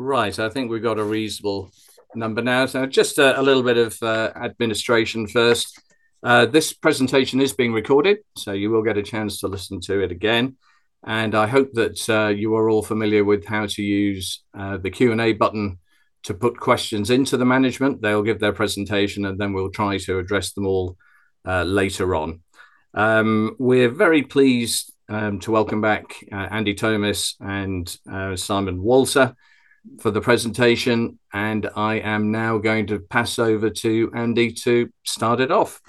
Right, I think we've got a reasonable number now, so just a little bit of administration first. This presentation is being recorded, so you will get a chance to listen to it again, and I hope that you are all familiar with how to use the Q&A button to put questions into the management. They'll give their presentation, and then we'll try to address them all later on. We're very pleased to welcome back Andy Thomis and Simon Walther for the presentation, and I am now going to pass over to Andy to start it off.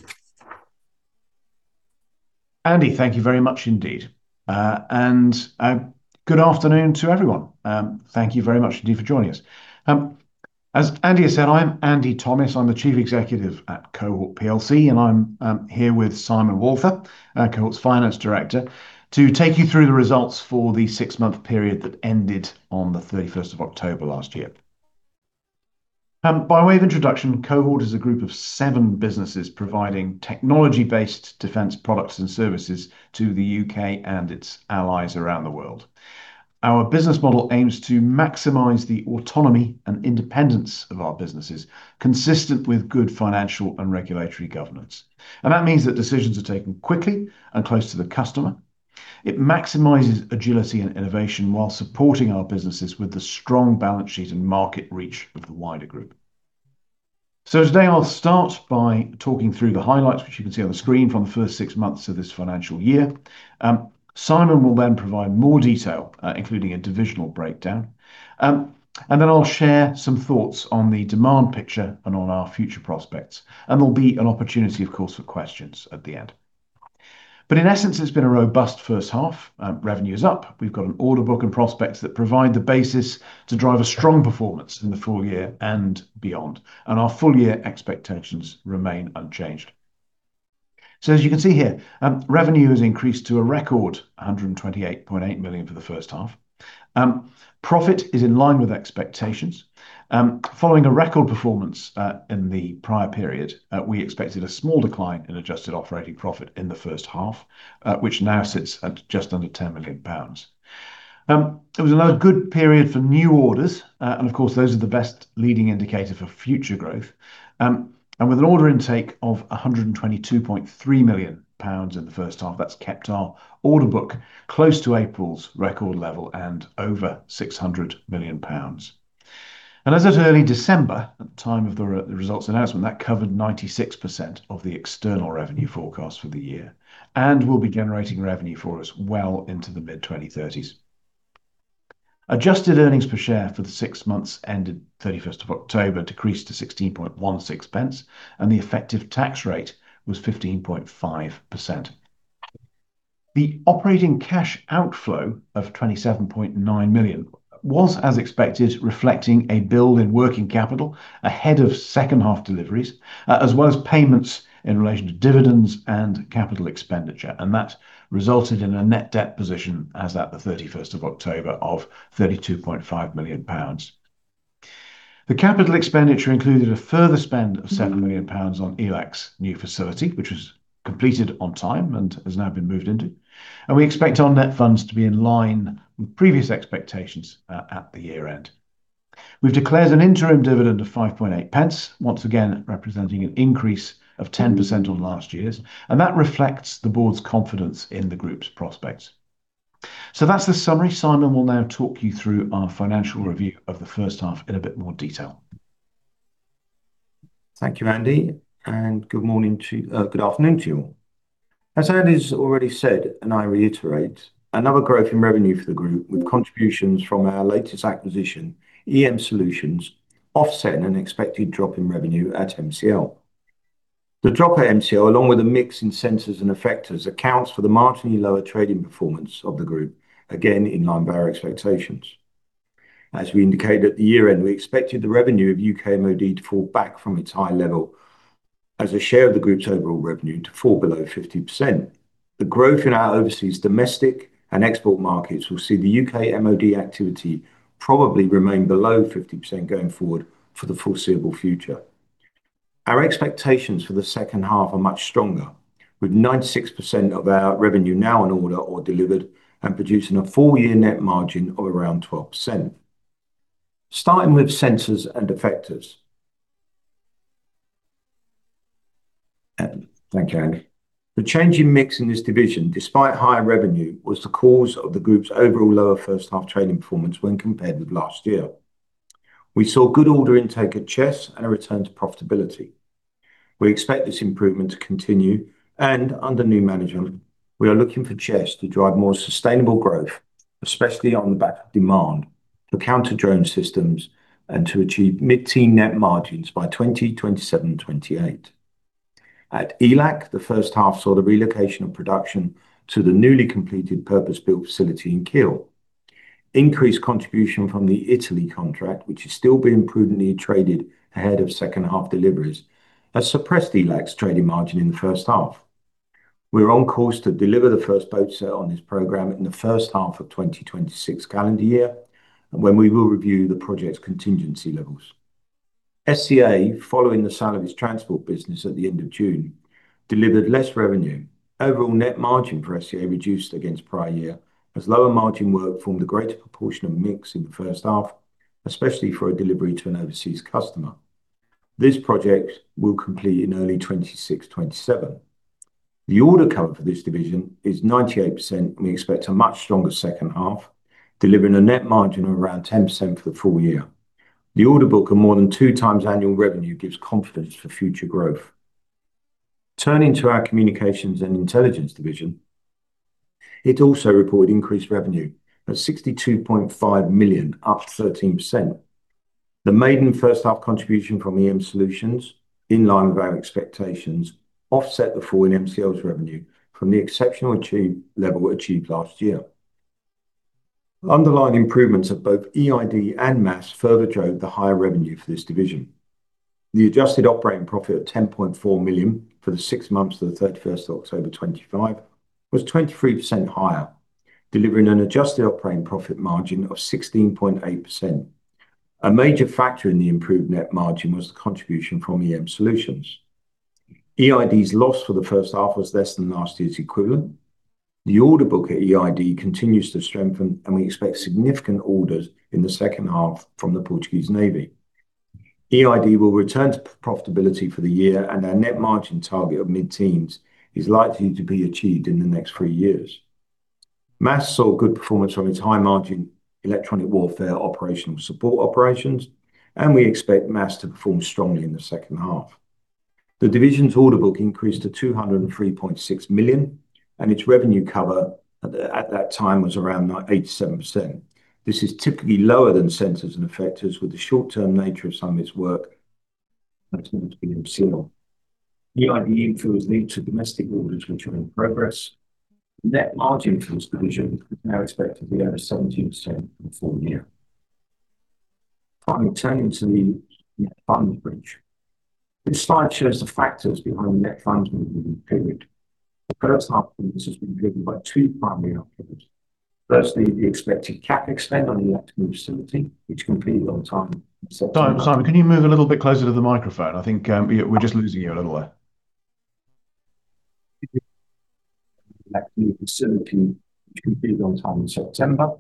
Andy, thank you very much indeed. Good afternoon to everyone. Thank you very much indeed for joining us. As Andy has said, I'm Andy Thomis. I'm the Chief Executive at Cohort PLC, and I'm here with Simon Walther, Cohort's Finance Director, to take you through the results for the six-month period that ended on the 31st of October last year. By way of introduction, Cohort is a group of seven businesses providing technology-based defense products and services to the UK and its allies around the world. Our business model aims to maximize the autonomy and independence of our businesses, consistent with good financial and regulatory governance. That means that decisions are taken quickly and close to the customer. It maximizes agility and innovation while supporting our businesses with the strong balance sheet and market reach of the wider group. Today, I'll start by talking through the highlights, which you can see on the screen, from the first six months of this financial year. Simon will then provide more detail, including a divisional breakdown, and then I'll share some thoughts on the demand picture and on our future prospects, and there'll be an opportunity, of course, for questions at the end. In essence, it's been a robust first half. Revenue is up. We've got an order book and prospects that provide the basis to drive a strong performance in the full year and beyond. Our full-year expectations remain unchanged. As you can see here, revenue has increased to a record 128.8 million for the first half. Profit is in line with expectations. Following a record performance in the prior period, we expected a small decline in adjusted operating profit in the first half, which now sits at just under 10 million pounds. It was another good period for new orders. And of course, those are the best leading indicator for future growth. And with an order intake of 122.3 million pounds in the first half, that's kept our order book close to April's record level and over 600 million pounds. And as of early December, at the time of the results announcement, that covered 96% of the external revenue forecast for the year and will be generating revenue for us well into the mid-2030s. Adjusted earnings per share for the six months ended 31st of October decreased to 16.16 pence, and the effective tax rate was 15.5%. The operating cash outflow of 27.9 million was, as expected, reflecting a build in working capital ahead of second-half deliveries, as well as payments in relation to dividends and capital expenditure. And that resulted in a net debt position as at the 31st of October of 32.5 million pounds. The capital expenditure included a further spend of 7 million pounds on ELAC's new facility, which was completed on time and has now been moved into. And we expect our net funds to be in line with previous expectations at the year-end. We've declared an interim dividend of 0.058, once again representing an increase of 10% on last year's. And that reflects the board's confidence in the group's prospects. So that's the summary. Simon will now talk you through our financial review of the first half in a bit more detail. Thank you, Andy, and good morning to you, good afternoon to you all. As Andy's already said, and I reiterate, another growth in revenue for the group with contributions from our latest acquisition, EM Solutions, offset an expected drop in revenue at MCL. The drop at MCL, along with a mix in sensors and effectors, accounts for the marginally lower trading performance of the group, again in line with our expectations. As we indicated at the year-end, we expected the revenue of U.K. MOD to fall back from its high level as a share of the group's overall revenue to fall below 50%. The growth in our overseas domestic and export markets will see the U.K. MOD activity probably remain below 50% going forward for the foreseeable future. Our expectations for the second half are much stronger, with 96% of our revenue now in order or delivered and producing a full-year net margin of around 12%. Starting with sensors and effectors. Thank you, Andy. The changing mix in this division, despite higher revenue, was the cause of the group's overall lower first-half trading performance when compared with last year. We saw good order intake at Chess and a return to profitability. We expect this improvement to continue. Under new management, we are looking for Chess to drive more sustainable growth, especially on the back of demand to counter-drone systems and to achieve mid-teen net margins by 2027-2028. At ELAC, the first half saw the relocation of production to the newly completed purpose-built facility in Kiel. Increased contribution from the Italy contract, which is still being prudently traded ahead of second-half deliveries, has suppressed ELAC's trading margin in the first half. We're on course to deliver the first boat set on this program in the first half of 2026 calendar year, when we will review the project's contingency levels. SEA, following the sale of its transport business at the end of June, delivered less revenue. Overall net margin for SEA reduced against prior year as lower margin work formed a greater proportion of mix in the first half, especially for a delivery to an overseas customer. This project will complete in early 2027. The order cover for this division is 98%. We expect a much stronger second half, delivering a net margin of around 10% for the full year. The order book and more than two times annual revenue gives confidence for future growth. Turning to our communications and intelligence division, it also reported increased revenue at 62.5 million, up 13%. The maiden first-half contribution from EM Solutions, in line with our expectations, offset the fall in MCL's revenue from the exceptional level achieved last year. Underlying improvements of both EID and MASS further drove the higher revenue for this division. The adjusted operating profit of 10.4 million for the six months of the 31st of October 2025 was 23% higher, delivering an adjusted operating profit margin of 16.8%. A major factor in the improved net margin was the contribution from EM Solutions. EID's loss for the first half was less than last year's equivalent. The order book at EID continues to strengthen, and we expect significant orders in the second half from the Portuguese Navy. EID will return to profitability for the year, and our net margin target of mid-teens is likely to be achieved in the next three years. MASS saw good performance from its high-margin electronic warfare operational support operations, and we expect MASS to perform strongly in the second half. The division's order book increased to 203.6 million, and its revenue cover at that time was around 87%. This is typically lower than sensors and effectors with the short-term nature of some of its work. That's not to be concealed. EID infill is linked to domestic orders, which are in progress. Net margin for this division is now expected to be over 17% for the full year. Finally, turning to the funds bridge. This slide shows the factors behind the net funds movement in the period. The first half of this has been driven by two primary outcomes. Firstly, the expected CapEx on the ELAC new facility, which completed on time. Simon, can you move a little bit closer to the microphone? I think we're just losing you a little there. The ELAC new facility, which completed on time in September.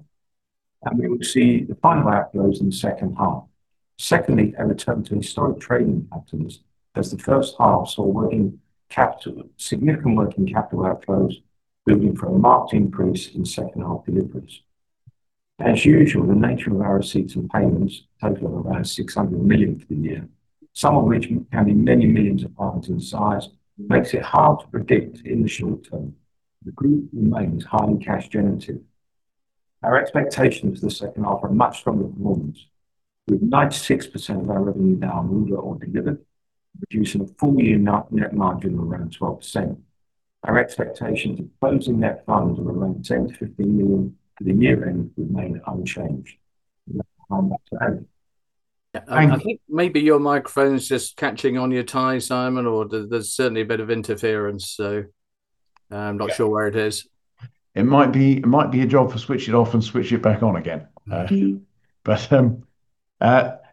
We will see the final outflows in the second half. Secondly, a return to historic trading patterns as the first half saw significant working capital outflows moving from market increase in second-half deliveries. As usual, the nature of our receipts and payments totaled around 600 million for the year, some of which counting many millions of parts in size makes it hard to predict in the short term. The group remains highly cash-generative. Our expectations for the second half are much stronger performance, with 96% of our revenue now in order or delivered, reducing a full-year net margin of around 12%. Our expectations of closing net funds of around 10 million-15 million for the year-end remain unchanged. I think maybe your microphone's just catching on your tie, Simon, or there's certainly a bit of interference, so I'm not sure where it is. It might be a job to switch it off and switch it back on again. But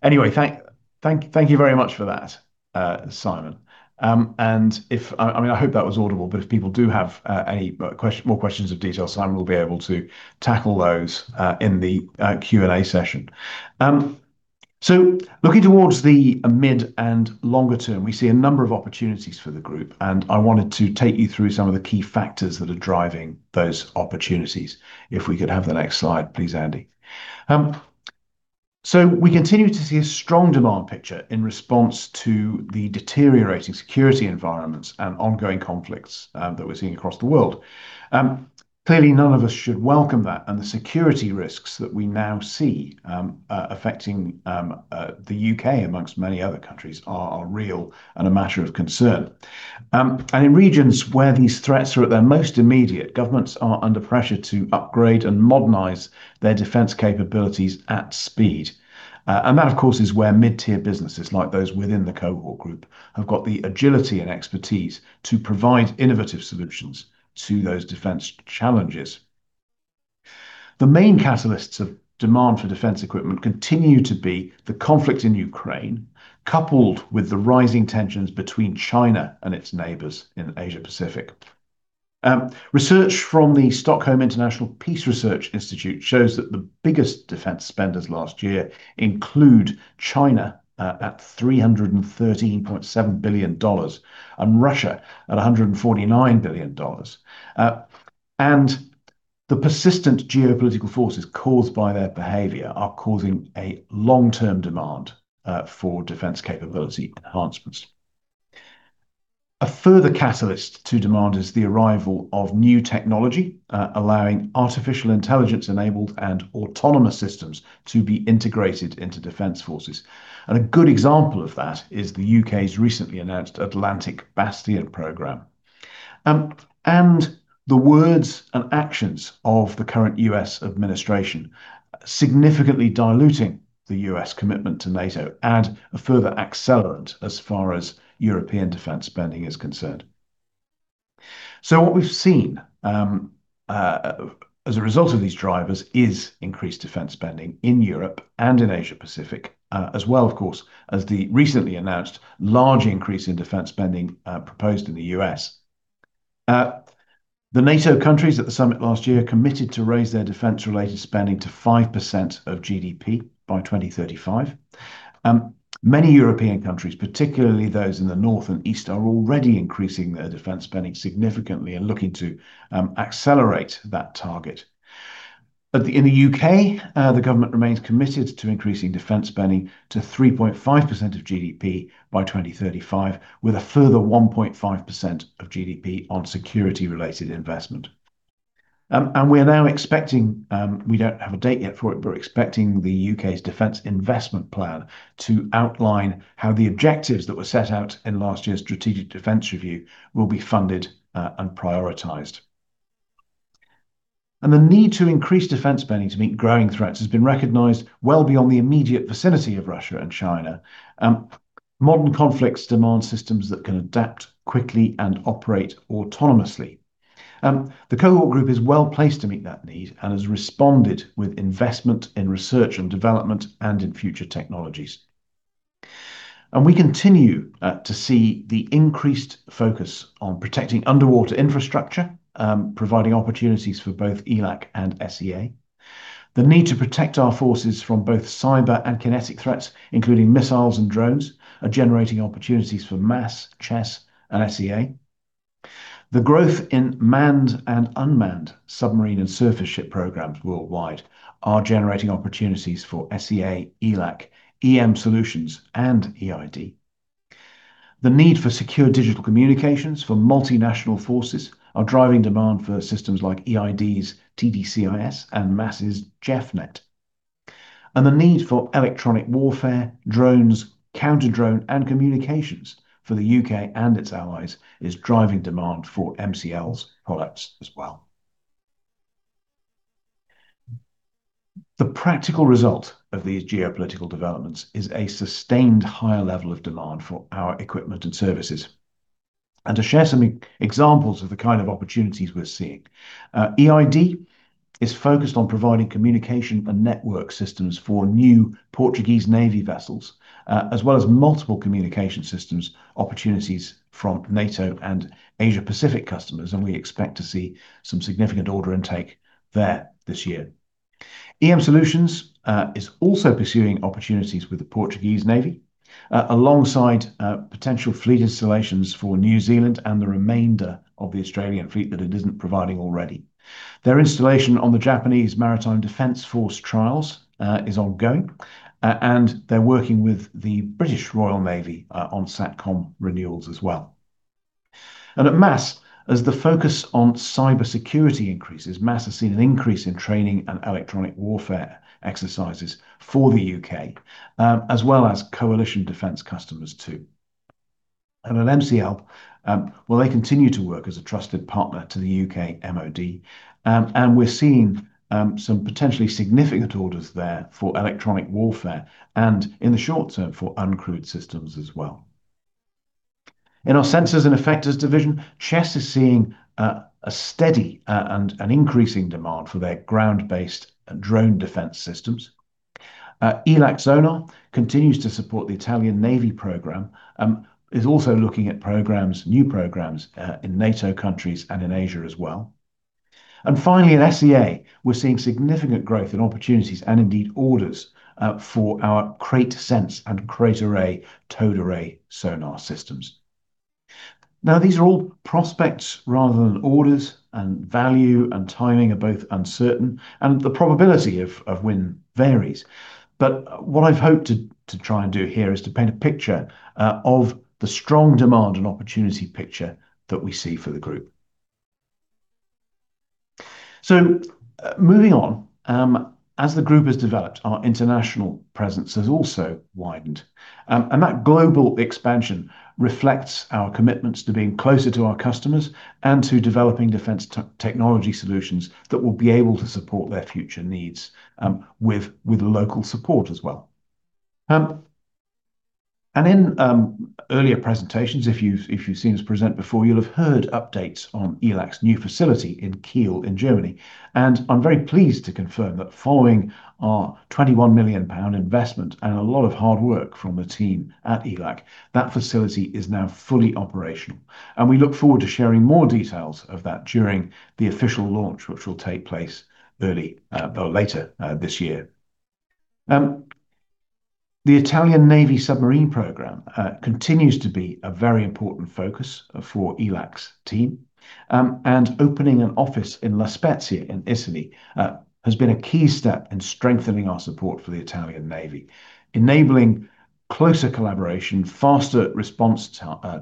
anyway, thank you very much for that, Simon. And I mean, I hope that was audible, but if people do have any more questions of detail, Simon will be able to tackle those in the Q&A session. So looking towards the mid and longer term, we see a number of opportunities for the group, and I wanted to take you through some of the key factors that are driving those opportunities. If we could have the next slide, please, Andy. So we continue to see a strong demand picture in response to the deteriorating security environments and ongoing conflicts that we're seeing across the world. Clearly, none of us should welcome that, and the security risks that we now see affecting the U.K., amongst many other countries, are real and a matter of concern. In regions where these threats are at their most immediate, governments are under pressure to upgrade and modernize their defense capabilities at speed. And that, of course, is where mid-tier businesses like those within the Cohort group have got the agility and expertise to provide innovative solutions to those defense challenges. The main catalysts of demand for defense equipment continue to be the conflict in Ukraine, coupled with the rising tensions between China and its neighbors in Asia-Pacific. Research from the Stockholm International Peace Research Institute shows that the biggest defense spenders last year include China at $313.7 billion and Russia at $149 billion. And the persistent geopolitical forces caused by their behavior are causing a long-term demand for defense capability enhancements. A further catalyst to demand is the arrival of new technology, allowing artificial intelligence-enabled and autonomous systems to be integrated into defense forces. A good example of that is the U.K.'s recently announced Atlantic Bastion program. The words and actions of the current U.S. administration significantly diluting the U.S. commitment to NATO and a further accelerant as far as European defense spending is concerned. What we've seen as a result of these drivers is increased defense spending in Europe and in Asia-Pacific, as well, of course, as the recently announced large increase in defense spending proposed in the U.S. The NATO countries at the summit last year committed to raise their defense-related spending to 5% of GDP by 2035. Many European countries, particularly those in the north and east, are already increasing their defense spending significantly and looking to accelerate that target. In the U.K., the government remains committed to increasing defense spending to 3.5% of GDP by 2035, with a further 1.5% of GDP on security-related investment. We are now expecting; we don't have a date yet for it; but we're expecting the U.K.'s Defence Investment Plan to outline how the objectives that were set out in last year's Strategic Defence Review will be funded and prioritized. The need to increase defense spending to meet growing threats has been recognized well beyond the immediate vicinity of Russia and China. Modern conflicts demand systems that can adapt quickly and operate autonomously. The Cohort group is well placed to meet that need and has responded with investment in research and development and in future technologies. We continue to see the increased focus on protecting underwater infrastructure, providing opportunities for both ELAC and SEA. The need to protect our forces from both cyber and kinetic threats, including missiles and drones, is generating opportunities for MASS, Chess, and SEA. The growth in manned and unmanned submarine and surface ship programs worldwide are generating opportunities for SEA, ELAC, EM Solutions, and EID. The need for secure digital communications for multinational forces is driving demand for systems like EID's, TDCIS, and MASS's JEFNet. The need for electronic warfare, drones, counter-drone, and communications for the U.K. and its allies is driving demand for MCL's products as well. The practical result of these geopolitical developments is a sustained higher level of demand for our equipment and services. To share some examples of the kind of opportunities we're seeing, EID is focused on providing communication and network systems for new Portuguese Navy vessels, as well as multiple communication systems opportunities from NATO and Asia-Pacific customers, and we expect to see some significant order intake there this year. EM Solutions is also pursuing opportunities with the Portuguese Navy, alongside potential fleet installations for New Zealand and the remainder of the Australian fleet that it isn't providing already. Their installation on the Japan Maritime Self-Defense Force trials is ongoing, and they're working with the British Royal Navy on SATCOM renewals as well. At MASS, as the focus on cybersecurity increases, MASS has seen an increase in training and electronic warfare exercises for the U.K., as well as coalition defense customers too. At MCL, well, they continue to work as a trusted partner to the U.K. MOD, and we're seeing some potentially significant orders there for electronic warfare and, in the short term, for uncrewed systems as well. In our sensors and effectors division, Chess is seeing a steady and an increasing demand for their ground-based drone defense systems. ELAC Sonar continues to support the Italian Navy program, is also looking at new programs in NATO countries and in Asia as well. And finally, at SEA, we're seeing significant growth in opportunities and indeed orders for our KraitSense and KraitArray, towed array sonar systems. Now, these are all prospects rather than orders, and value and timing are both uncertain, and the probability of win varies. But what I've hoped to try and do here is to paint a picture of the strong demand and opportunity picture that we see for the group. So moving on, as the group has developed, our international presence has also widened. And that global expansion reflects our commitments to being closer to our customers and to developing defense technology solutions that will be able to support their future needs with local support as well. In earlier presentations, if you've seen us present before, you'll have heard updates on ELAC's new facility in Kiel in Germany. I'm very pleased to confirm that following our 21 million pound investment and a lot of hard work from the team at ELAC, that facility is now fully operational. We look forward to sharing more details of that during the official launch, which will take place early or later this year. The Italian Navy submarine program continues to be a very important focus for ELAC's team, and opening an office in La Spezia in Italy has been a key step in strengthening our support for the Italian Navy, enabling closer collaboration, faster response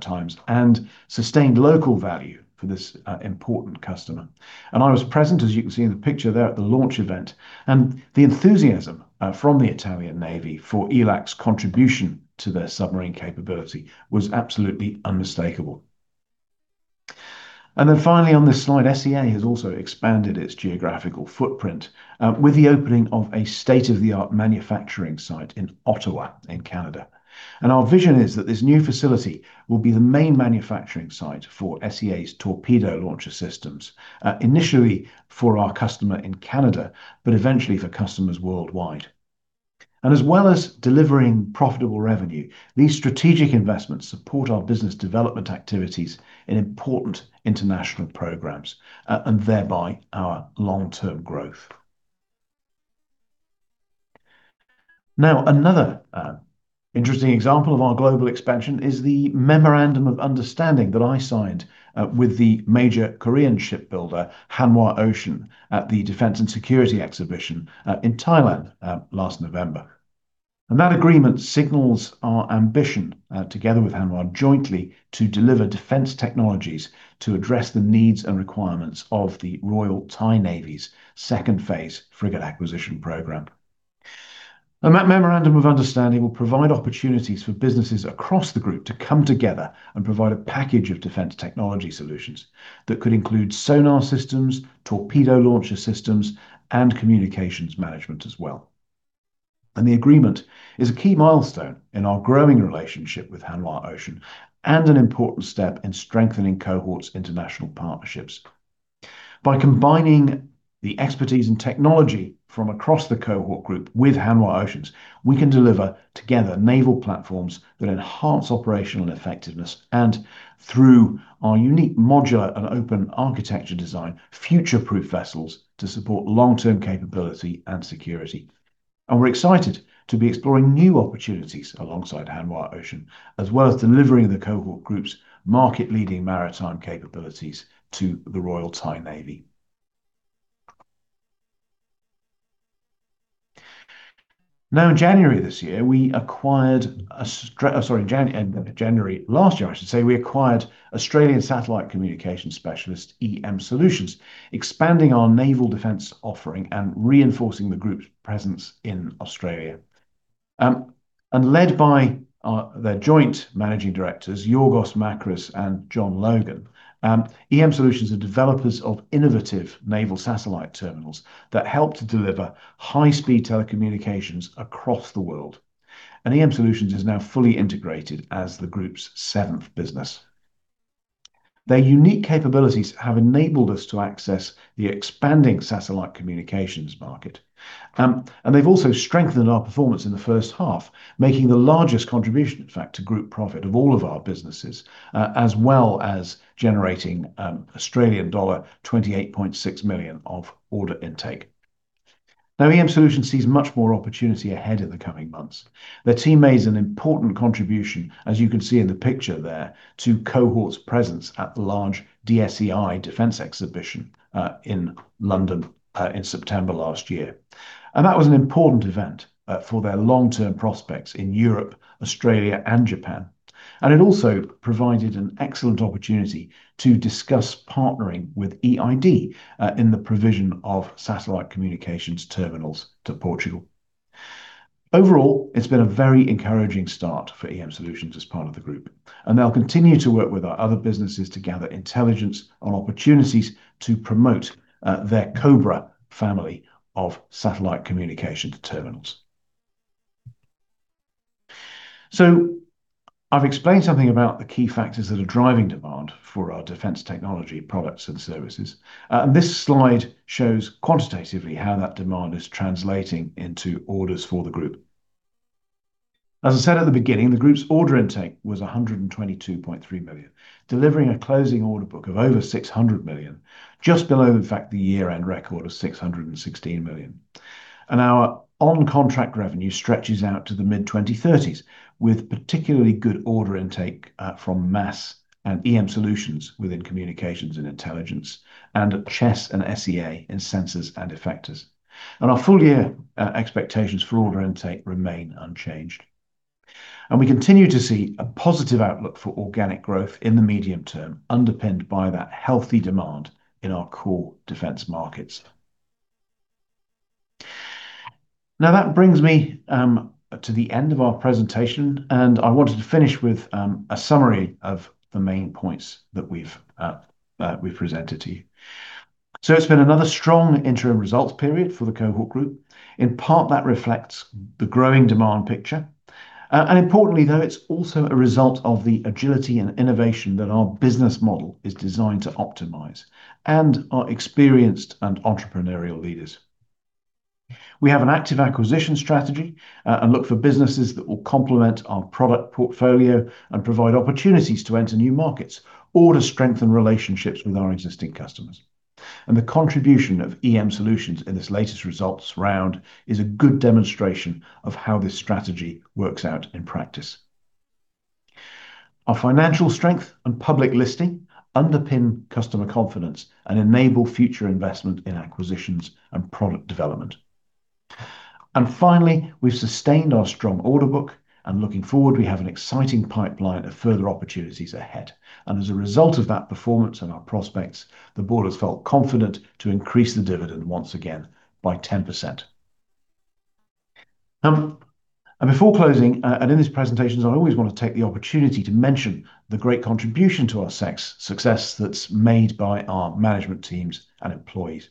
times, and sustained local value for this important customer. I was present, as you can see in the picture there at the launch event, and the enthusiasm from the Italian Navy for ELAC's contribution to their submarine capability was absolutely unmistakable. Then finally, on this slide, SEA has also expanded its geographical footprint with the opening of a state-of-the-art manufacturing site in Ottawa in Canada. Our vision is that this new facility will be the main manufacturing site for SEA's torpedo launcher systems, initially for our customer in Canada, but eventually for customers worldwide. As well as delivering profitable revenue, these strategic investments support our business development activities in important international programs and thereby our long-term growth. Now, another interesting example of our global expansion is the memorandum of understanding that I signed with the major Korean shipbuilder Hanwha Ocean at the Defense and Security Exhibition in Thailand last November. And that agreement signals our ambition, together with Hanwha, jointly to deliver defense technologies to address the needs and requirements of the Royal Thai Navy's second phase frigate acquisition program. And that memorandum of understanding will provide opportunities for businesses across the group to come together and provide a package of defense technology solutions that could include sonar systems, torpedo launcher systems, and communications management as well. And the agreement is a key milestone in our growing relationship with Hanwha Ocean and an important step in strengthening Cohort's international partnerships. By combining the expertise and technology from across the Cohort group with Hanwha Ocean, we can deliver together naval platforms that enhance operational effectiveness and, through our unique modular and open architecture design, future-proof vessels to support long-term capability and security. We're excited to be exploring new opportunities alongside Hanwha Ocean, as well as delivering the Cohort Group's market-leading maritime capabilities to the Royal Thai Navy. Now, in January this year, we acquired, sorry, in January last year, I should say, we acquired Australian satellite communications specialist EM Solutions, expanding our naval defense offering and reinforcing the group's presence in Australia. Led by their joint managing directors, Yorgos Makris and John Logan, EM Solutions are developers of innovative naval satellite terminals that help to deliver high-speed telecommunications across the world. EM Solutions is now fully integrated as the group's seventh business. Their unique capabilities have enabled us to access the expanding satellite communications market. They've also strengthened our performance in the first half, making the largest contribution, in fact, to group profit of all of our businesses, as well as generating Australian dollar 28.6 million of order intake. Now, EM Solutions sees much more opportunity ahead in the coming months. Their team made an important contribution, as you can see in the picture there, to Cohort's presence at the large DSEI defense exhibition in London in September last year. And that was an important event for their long-term prospects in Europe, Australia, and Japan. And it also provided an excellent opportunity to discuss partnering with EID in the provision of satellite communications terminals to Portugal. Overall, it's been a very encouraging start for EM Solutions as part of the group. And they'll continue to work with our other businesses to gather intelligence on opportunities to promote their Cobra family of satellite communications terminals. So I've explained something about the key factors that are driving demand for our defense technology products and services. And this slide shows quantitatively how that demand is translating into orders for the group. As I said at the beginning, the group's order intake was 122.3 million, delivering a closing order book of over 600 million, just below, in fact, the year-end record of 616 million. And our on-contract revenue stretches out to the mid-2030s, with particularly good order intake from MASS and EM Solutions within communications and intelligence, and Chess and SEA in sensors and effectors. And our full-year expectations for order intake remain unchanged. And we continue to see a positive outlook for organic growth in the medium term, underpinned by that healthy demand in our core defense markets. Now, that brings me to the end of our presentation, and I wanted to finish with a summary of the main points that we've presented to you. So it's been another strong interim results period for the Cohort group. In part, that reflects the growing demand picture. Importantly, though, it's also a result of the agility and innovation that our business model is designed to optimize and our experienced and entrepreneurial leaders. We have an active acquisition strategy and look for businesses that will complement our product portfolio and provide opportunities to enter new markets or to strengthen relationships with our existing customers. The contribution of EM Solutions in this latest results round is a good demonstration of how this strategy works out in practice. Our financial strength and public listing underpin customer confidence and enable future investment in acquisitions and product development. Finally, we've sustained our strong order book, and looking forward, we have an exciting pipeline of further opportunities ahead. As a result of that performance and our prospects, the board has felt confident to increase the dividend once again by 10%. Before closing, and in these presentations, I always want to take the opportunity to mention the great contribution to our success that's made by our management teams and employees.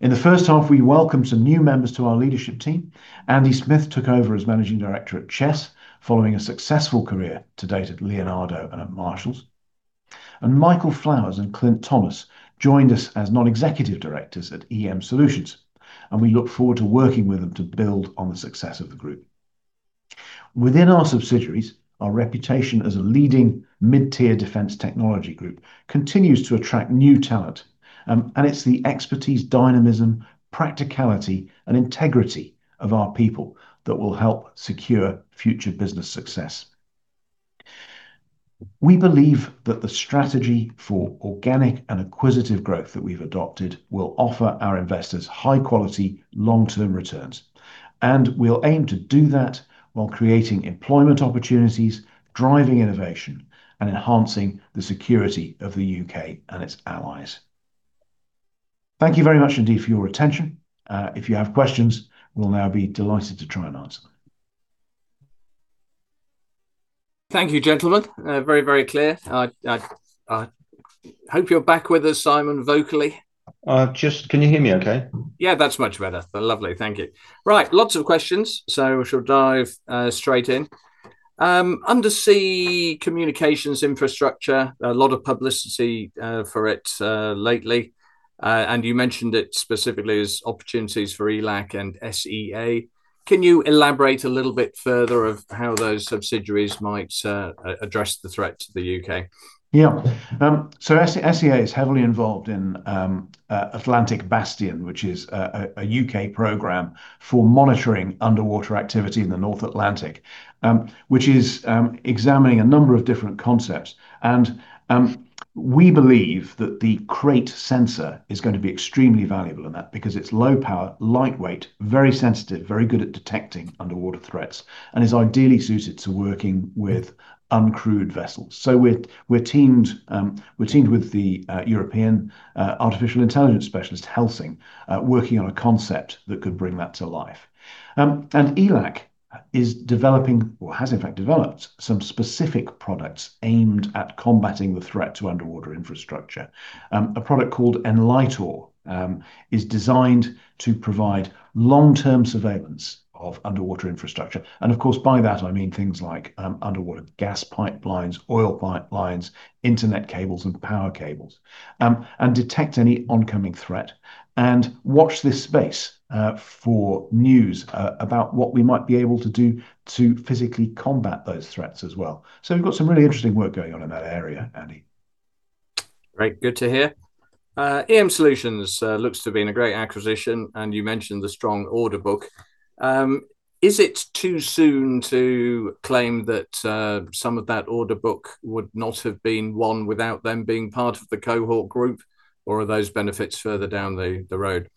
In the first half, we welcomed some new members to our leadership team. Andy Smith took over as Managing Director at Chess, following a successful career to date at Leonardo and at Marshall. Michael Flowers and Clint Thomas joined us as non-executive Directors at EM Solutions. We look forward to working with them to build on the success of the group. Within our subsidiaries, our reputation as a leading mid-tier defense technology group continues to attract new talent. It's the expertise, dynamism, practicality, and integrity of our people that will help secure future business success. We believe that the strategy for organic and acquisitive growth that we've adopted will offer our investors high-quality, long-term returns. We'll aim to do that while creating employment opportunities, driving innovation, and enhancing the security of the U.K. and its allies. Thank you very much indeed for your attention. If you have questions, we'll now be delighted to try and answer. Thank you, gentlemen. Very, very clear. I hope you're back with us, Simon, vocally. Just can you hear me okay? Yeah, that's much better. Lovely. Thank you. Right, lots of questions, so we shall dive straight in. Undersea communications infrastructure, a lot of publicity for it lately. And you mentioned it specifically as opportunities for ELAC and SEA. Can you elaborate a little bit further of how those subsidiaries might address the threat to the U.K.? Yeah. So SEA is heavily involved in Atlantic Bastion, which is a U.K. program for monitoring underwater activity in the North Atlantic, which is examining a number of different concepts. We believe that the KraitSense is going to be extremely valuable in that because it's low power, lightweight, very sensitive, very good at detecting underwater threats, and is ideally suited to working with uncrewed vessels. We're teamed with the European artificial intelligence specialist, Helsing, working on a concept that could bring that to life. ELAC is developing, or has in fact developed, some specific products aimed at combating the threat to underwater infrastructure. A product called Enlitor is designed to provide long-term surveillance of underwater infrastructure. Of course, by that, I mean things like underwater gas pipelines, oil pipelines, internet cables, and power cables, and detect any oncoming threat and watch this space for news about what we might be able to do to physically combat those threats as well. We've got some really interesting work going on in that area, Andy. Great. Good to hear. EM Solutions looks to have been a great acquisition, and you mentioned the strong order book. Is it too soon to claim that some of that order book would not have been won without them being part of the Cohort group, or are those benefits further down the road?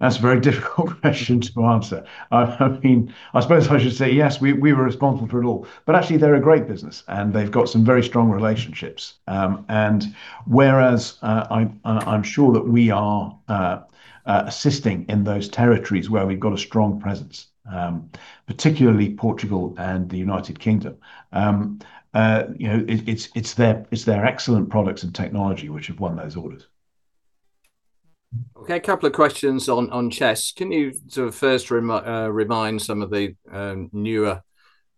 That's a very difficult question to answer. I mean, I suppose I should say yes, we were responsible for it all. But actually, they're a great business, and they've got some very strong relationships. And whereas I'm sure that we are assisting in those territories where we've got a strong presence, particularly Portugal and the United Kingdom, it's their excellent products and technology which have won those orders. Okay, a couple of questions on Chess. Can you sort of first remind some of the newer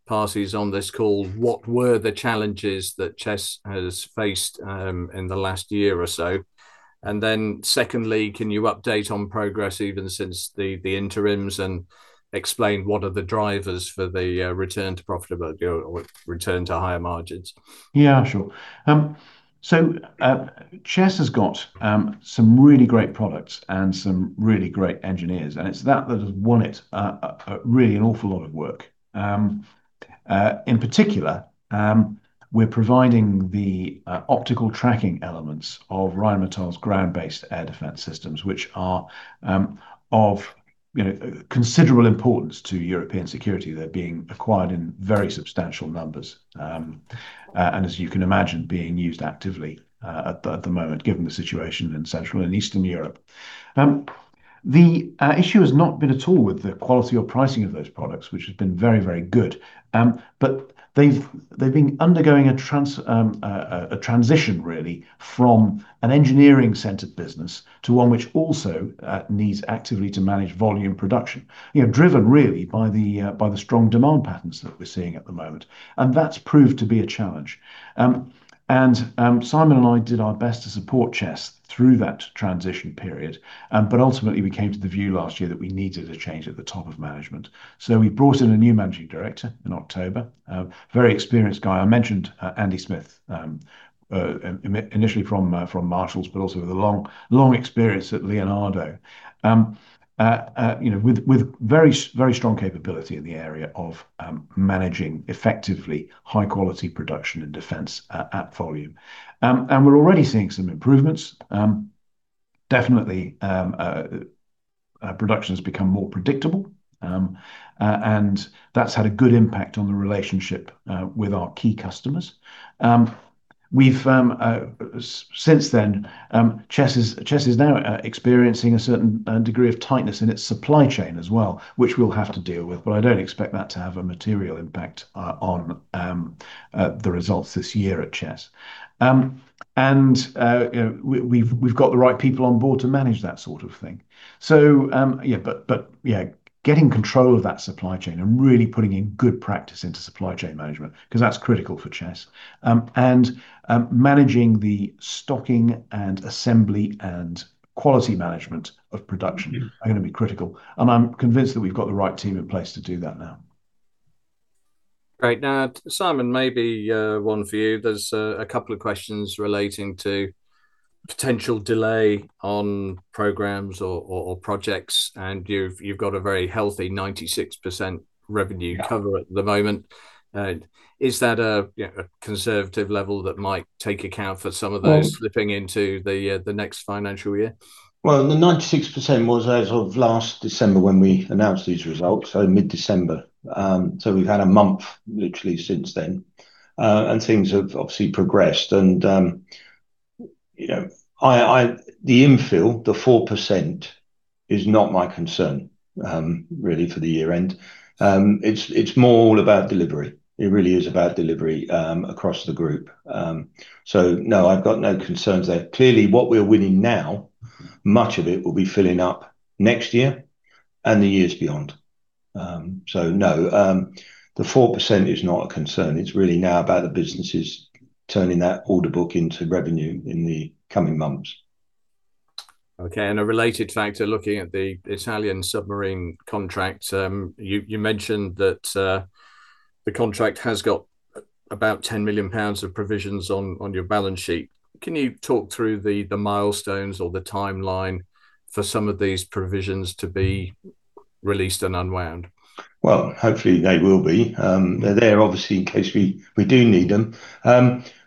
parties on this call? What were the challenges that Chess has faced in the last year or so? And then secondly, can you update on progress even since the interims and explain what are the drivers for the return to profitability or return to higher margins? Yeah, sure. So Chess has got some really great products and some really great engineers, and it's that that has won it really an awful lot of work. In particular, we're providing the optical tracking elements of Rheinmetall's ground-based air defense systems, which are of considerable importance to European security. They're being acquired in very substantial numbers, and as you can imagine, being used actively at the moment, given the situation in Central and Eastern Europe. The issue has not been at all with the quality or pricing of those products, which has been very, very good. But they've been undergoing a transition, really, from an engineering-centered business to one which also needs actively to manage volume production, driven really by the strong demand patterns that we're seeing at the moment. And that's proved to be a challenge. And Simon and I did our best to support Chess through that transition period. But ultimately, we came to the view last year that we needed a change at the top of management. So we brought in a new managing director in October, a very experienced guy. I mentioned Andy Smith initially from Marshall, but also with a long, long experience at Leonardo, with very, very strong capability in the area of managing effectively high-quality production and defense at volume. And we're already seeing some improvements. Definitely, production has become more predictable, and that's had a good impact on the relationship with our key customers. Since then, Chess is now experiencing a certain degree of tightness in its supply chain as well, which we'll have to deal with. But I don't expect that to have a material impact on the results this year at Chess. And we've got the right people on board to manage that sort of thing. So yeah, but yeah, getting control of that supply chain and really putting in good practice into supply chain management because that's critical for Chess. And managing the stocking and assembly and quality management of production are going to be critical. And I'm convinced that we've got the right team in place to do that now. Great. Now, Simon, maybe one for you. There's a couple of questions relating to potential delay on programs or projects. And you've got a very healthy 96% revenue cover at the moment. Is that a conservative level that might take account for some of those slipping into the next financial year? Well, the 96% was as of last December when we announced these results, so mid-December. So we've had a month literally since then, and things have obviously progressed. And the infill, the 4%, is not my concern really for the year-end. It's more all about delivery. It really is about delivery across the group. So no, I've got no concerns there. Clearly, what we're winning now, much of it will be filling up next year and the years beyond. So no, the 4% is not a concern. It's really now about the businesses turning that order book into revenue in the coming months. Okay. And a related factor, looking at the Italian submarine contract, you mentioned that the contract has got about 10 million pounds of provisions on your balance sheet. Can you talk through the milestones or the timeline for some of these provisions to be released and unwound? Well, hopefully, they will be. They're there obviously in case we do need them.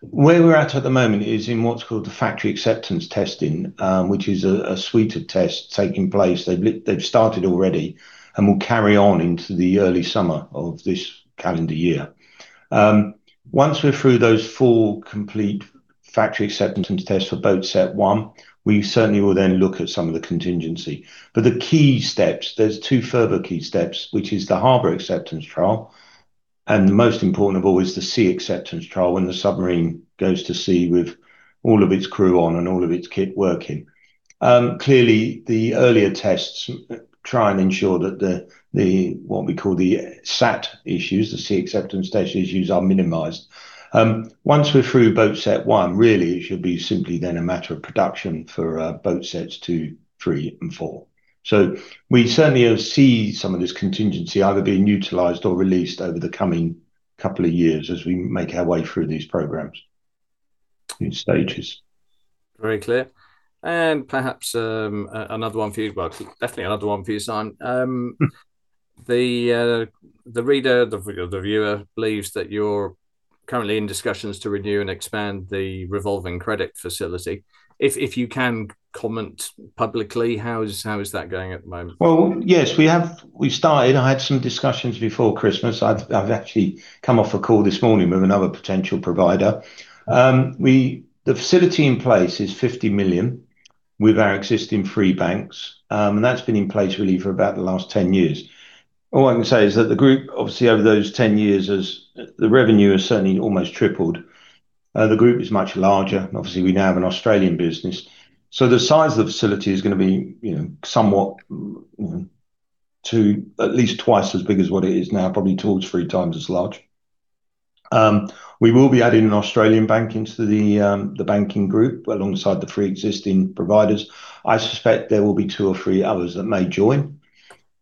Where we're at the moment is in what's called the factory acceptance testing, which is a suite of tests taking place. They've started already and will carry on into the early summer of this calendar year. Once we're through those four complete factory acceptance tests for boat set one, we certainly will then look at some of the contingency. But the key steps, there's two further key steps, which is the harbor acceptance trial. And the most important of all is the sea acceptance trial when the submarine goes to sea with all of its crew on and all of its kit working. Clearly, the earlier tests try and ensure that what we call the SAT issues, the sea acceptance test issues, are minimized. Once we're through boat set one, really, it should be simply then a matter of production for boat sets two, three, and four. So we certainly see some of this contingency either being utilized or released over the coming couple of years as we make our way through these programs in stages. Very clear. And perhaps another one for you, well, definitely another one for you, Simon. The reader, the viewer, believes that you're currently in discussions to renew and expand the revolving credit facility. If you can comment publicly, how is that going at the moment? Well, yes, we've started. I had some discussions before Christmas. I've actually come off a call this morning with another potential provider. The facility in place is 50 million with our existing three banks, and that's been in place really for about the last 10 years. All I can say is that the group, obviously, over those 10 years, the revenue has certainly almost tripled. The group is much larger. Obviously, we now have an Australian business, so the size of the facility is going to be somewhat to at least twice as big as what it is now, probably two or three times as large. We will be adding an Australian bank into the banking group alongside the three existing providers. I suspect there will be two or three others that may join,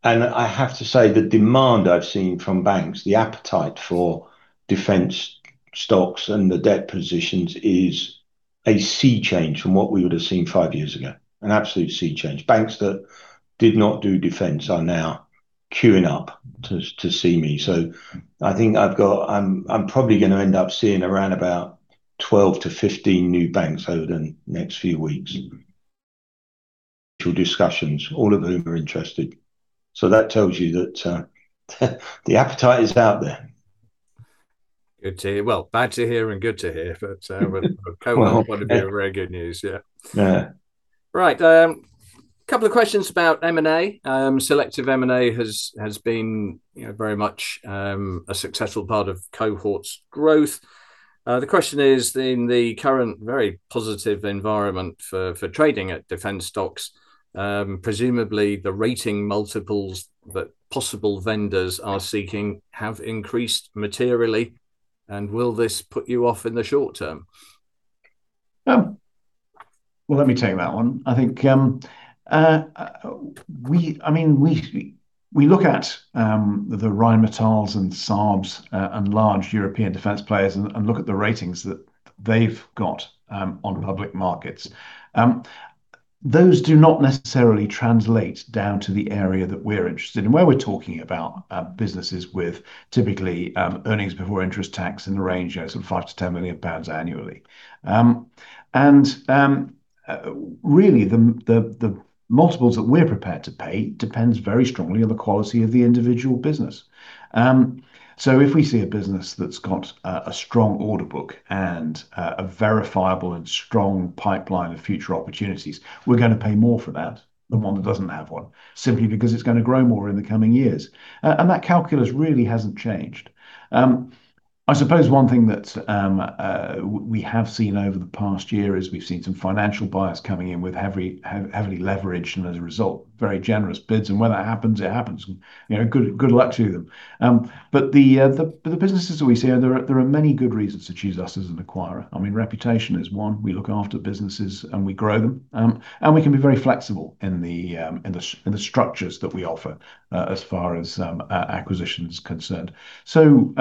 and I have to say the demand I've seen from banks, the appetite for defense stocks and the debt positions is a sea change from what we would have seen five years ago, an absolute sea change. Banks that did not do defense are now queuing up to see me, so I think I'm probably going to end up seeing around about 12 to 15 new banks over the next few weeks, discussions, all of whom are interested, so that tells you that the appetite is out there. Good to hear. Well, bad to hear and good to hear, but Cohort would be very good news. Yeah. Right. A couple of questions about M&A. Selective M&A has been very much a successful part of Cohort's growth. The question is, in the current very positive environment for trading at defense stocks, presumably the rating multiples that possible vendors are seeking have increased materially, and will this put you off in the short term? Well, let me take that one. I think, I mean, we look at the Rheinmetall and Saab and large European defense players and look at the ratings that they've got on public markets. Those do not necessarily translate down to the area that we're interested in, where we're talking about businesses with typically earnings before interest tax in the range of 5 million-10 million pounds annually. And really, the multiples that we're prepared to pay depends very strongly on the quality of the individual business. So if we see a business that's got a strong order book and a verifiable and strong pipeline of future opportunities, we're going to pay more for that than one that doesn't have one, simply because it's going to grow more in the coming years. And that calculus really hasn't changed. I suppose one thing that we have seen over the past year is we've seen some financial buyers coming in with heavily leveraged and, as a result, very generous bids. And when that happens, it happens. Good luck to them. But the businesses that we see, there are many good reasons to choose us as an acquirer. I mean, reputation is one. We look after businesses and we grow them. And we can be very flexible in the structures that we offer as far as acquisition is concerned. So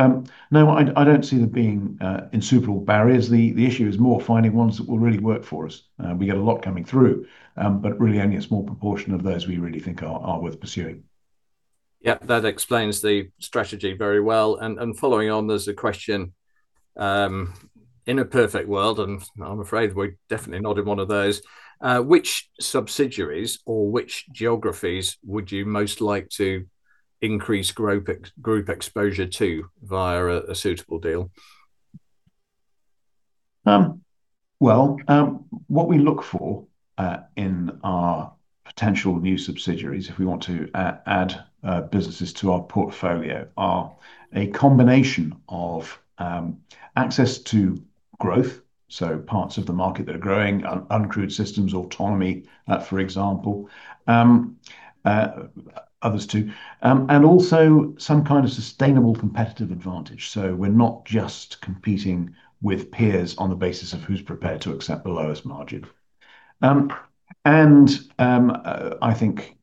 no, I don't see there being insuperable barriers. The issue is more finding ones that will really work for us. We get a lot coming through, but really only a small proportion of those we really think are worth pursuing. Yeah, that explains the strategy very well. Following on, there's a question. In a perfect world, and I'm afraid we're definitely not in one of those, which subsidiaries or which geographies would you most like to increase group exposure to via a suitable deal? Well, what we look for in our potential new subsidiaries, if we want to add businesses to our portfolio, are a combination of access to growth, so parts of the market that are growing, uncrewed systems, autonomy, for example, others too, and also some kind of sustainable competitive advantage. So we're not just competing with peers on the basis of who's prepared to accept the lowest margin. And I think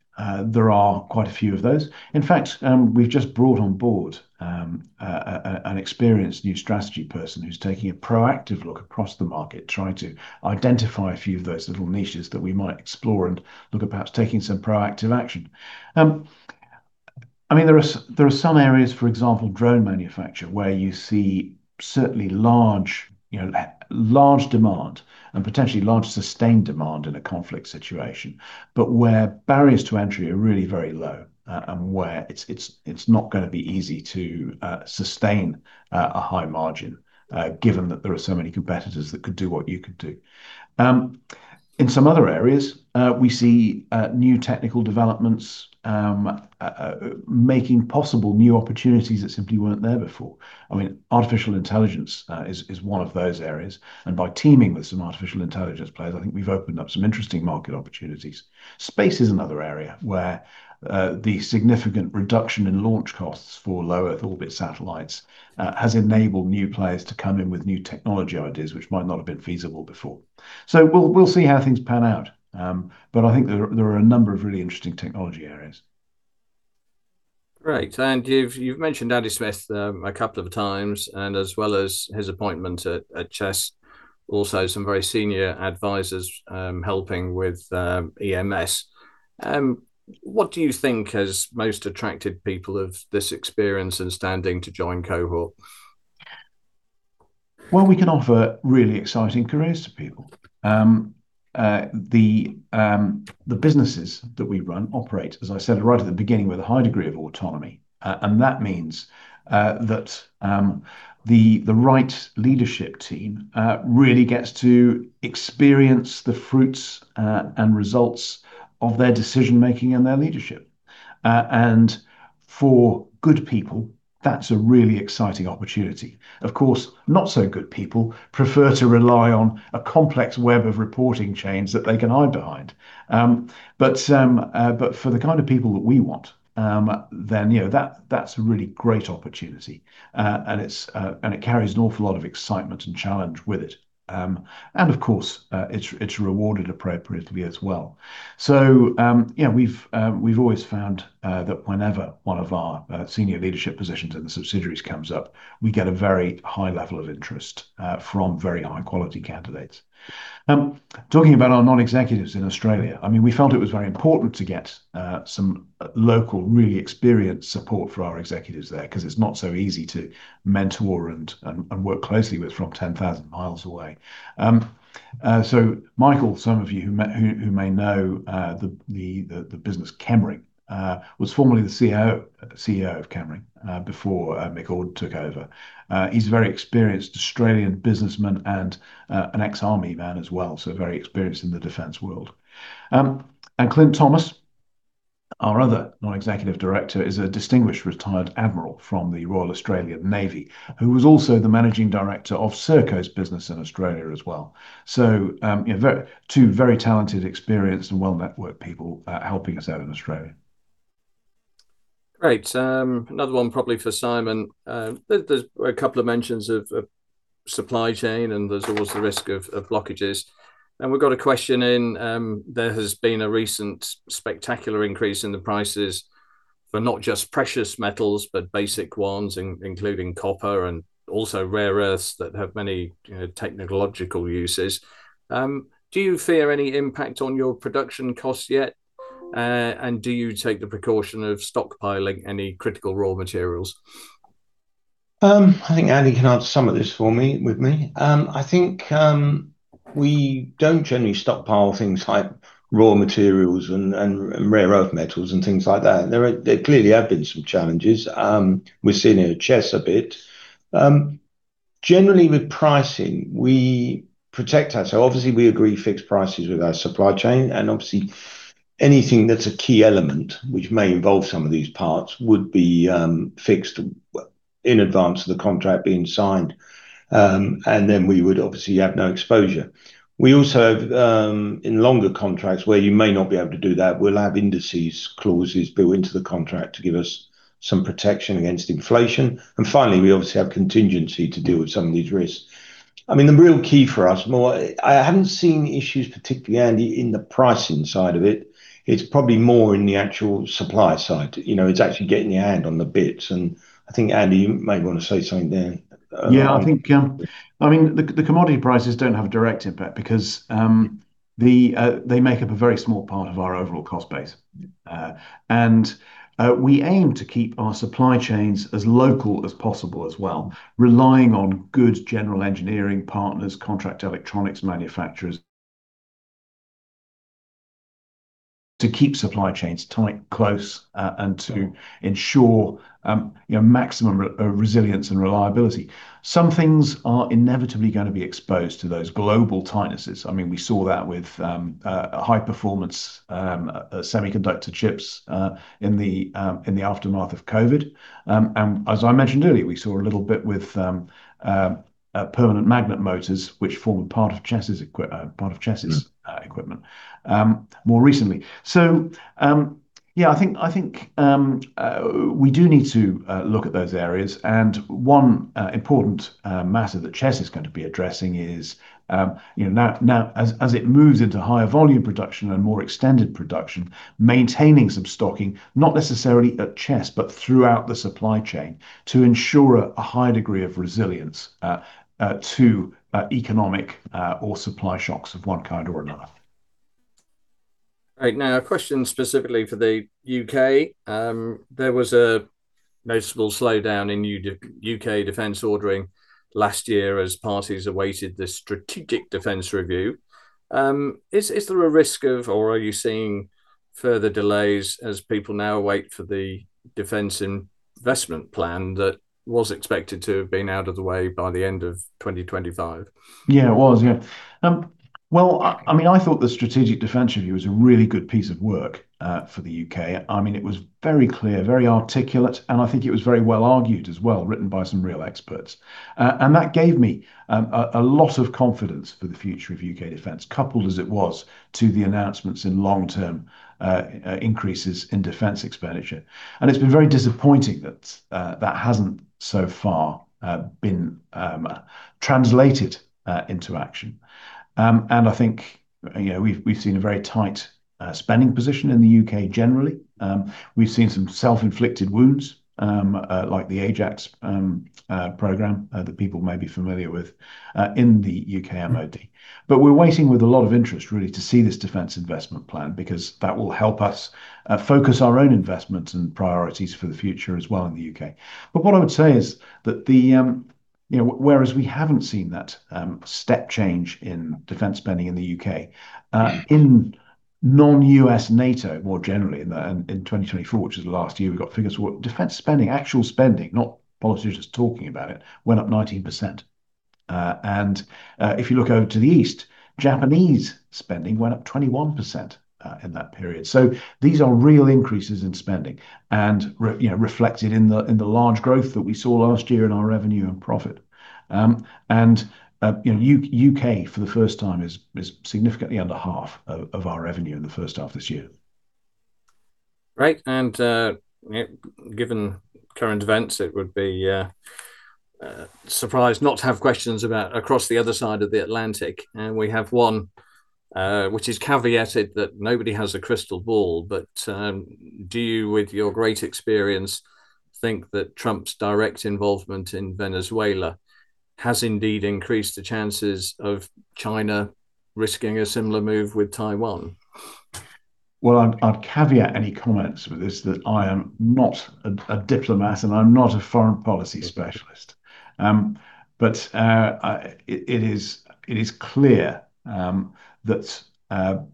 there are quite a few of those. In fact, we've just brought on board an experienced new strategy person who's taking a proactive look across the market, trying to identify a few of those little niches that we might explore and look at perhaps taking some proactive action. I mean, there are some areas, for example, drone manufacture, where you see certainly large demand and potentially large sustained demand in a conflict situation, but where barriers to entry are really very low and where it's not going to be easy to sustain a high margin, given that there are so many competitors that could do what you could do. In some other areas, we see new technical developments making possible new opportunities that simply weren't there before. I mean, artificial intelligence is one of those areas. And by teaming with some artificial intelligence players, I think we've opened up some interesting market opportunities. Space is another area where the significant reduction in launch costs for low Earth orbit satellites has enabled new players to come in with new technology ideas which might not have been feasible before. So we'll see how things pan out. But I think there are a number of really interesting technology areas. Great. And you've mentioned Andy Smith a couple of times and as well as his appointment at Chess, also some very senior advisors helping with EMS. What do you think has most attracted people of this experience and standing to join Cohort? Well, we can offer really exciting careers to people. The businesses that we run operate, as I said right at the beginning, with a high degree of autonomy. And that means that the right leadership team really gets to experience the fruits and results of their decision-making and their leadership. For good people, that's a really exciting opportunity. Of course, not so good people prefer to rely on a complex web of reporting chains that they can hide behind. For the kind of people that we want, then that's a really great opportunity. It carries an awful lot of excitement and challenge with it. Of course, it's rewarded appropriately as well. Yeah, we've always found that whenever one of our senior leadership positions in the subsidiaries comes up, we get a very high level of interest from very high-quality candidates. Talking about our non-executives in Australia, I mean, we felt it was very important to get some local, really experienced support for our executives there because it's not so easy to mentor and work closely with from 10,000 miles away. So Michael, some of you who may know the business Chemring, was formerly the CEO of Chemring before Mick Ord took over. He's a very experienced Australian businessman and an ex-army man as well, so very experienced in the defense world. And Clint Thomas, our other non-executive director, is a distinguished retired admiral from the Royal Australian Navy, who was also the managing director of Serco's business in Australia as well. So two very talented, experienced, and well-networked people helping us out in Australia. Great. Another one probably for Simon. There's a couple of mentions of supply chain, and there's always the risk of blockages. And we've got a question in. There has been a recent spectacular increase in the prices for not just precious metals, but basic ones, including copper and also rare earths that have many technological uses. Do you fear any impact on your production costs yet? And do you take the precaution of stockpiling any critical raw materials? I think Andy can answer some of this with me. I think we don't generally stockpile things like raw materials and rare earth metals and things like that. There clearly have been some challenges. We're seeing it at Chess a bit. Generally, with pricing, we protect ourselves. Obviously, we agree fixed prices with our supply chain. And obviously, anything that's a key element, which may involve some of these parts, would be fixed in advance of the contract being signed. And then we would obviously have no exposure. We also, in longer contracts where you may not be able to do that, will have indices clauses built into the contract to give us some protection against inflation. And finally, we obviously have contingency to deal with some of these risks. I mean, the real key for us. I haven't seen issues, particularly Andy, in the pricing side of it. It's probably more in the actual supply side. It's actually getting your hand on the bits. And I think, Andy, you may want to say something there. Yeah, I think, I mean, the commodity prices don't have a direct impact because they make up a very small part of our overall cost base. And we aim to keep our supply chains as local as possible as well, relying on good general engineering partners, contract electronics manufacturers, to keep supply chains tight, close, and to ensure maximum resilience and reliability. Some things are inevitably going to be exposed to those global tightnesses. I mean, we saw that with high-performance semiconductor chips in the aftermath of COVID. As I mentioned earlier, we saw a little bit with permanent magnet motors, which formed part of Chess's equipment more recently. So yeah, I think we do need to look at those areas. And one important matter that Chess is going to be addressing is now, as it moves into higher volume production and more extended production, maintaining some stocking, not necessarily at Chess, but throughout the supply chain to ensure a high degree of resilience to economic or supply shocks of one kind or another. Right. Now, a question specifically for the U.K. There was a noticeable slowdown in U.K. Defense ordering last year as parties awaited the Strategic Defense Review. Is there a risk of, or are you seeing further delays as people now await for the Defense Investment Plan that was expected to have been out of the way by the end of 2025? Yeah, it was. Yeah. Well, I mean, I thought the Strategic Defense Review was a really good piece of work for the U.K. I mean, it was very clear, very articulate, and I think it was very well argued as well, written by some real experts, and that gave me a lot of confidence for the future of U.K. defense, coupled as it was to the announcements in long-term increases in defense expenditure, and it's been very disappointing that that hasn't so far been translated into action, and I think we've seen a very tight spending position in the U.K. generally. We've seen some self-inflicted wounds like the Ajax program that people may be familiar with in the U.K. MOD. But we're waiting with a lot of interest, really, to see this Defense Investment Plan because that will help us focus our own investments and priorities for the future as well in the U.K. But what I would say is that whereas we haven't seen that step change in defense spending in the U.K., in non-U.S. NATO more generally, in 2024, which is the last year we've got figures, defense spending, actual spending, not politicians talking about it, went up 19%. And if you look over to the east, Japanese spending went up 21% in that period. So these are real increases in spending and reflected in the large growth that we saw last year in our revenue and profit. And U.K., for the first time, is significantly under half of our revenue in the first half of this year. Right. Given current events, it would be a surprise not to have questions about across the other side of the Atlantic. We have one, which is caveated that nobody has a crystal ball. Do you, with your great experience, think that Trump's direct involvement in Venezuela has indeed increased the chances of China risking a similar move with Taiwan? I'd caveat any comments with this that I am not a diplomat and I'm not a foreign policy specialist. It is clear that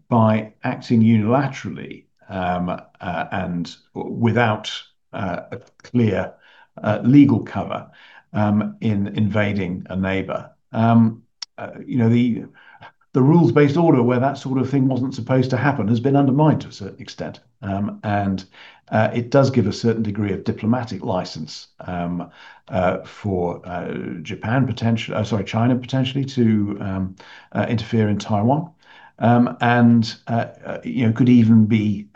by acting unilaterally and without a clear legal cover in invading a neighbor, the rules-based order where that sort of thing wasn't supposed to happen has been undermined to a certain extent. It does give a certain degree of diplomatic license for Japan, sorry, China potentially to interfere in Taiwan. And could even be